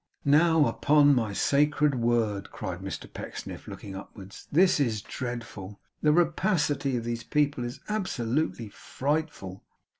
'Now upon my sacred word!' cried Mr Pecksniff, looking upwards. 'This is dreadful. The rapacity of these people is absolutely frightful!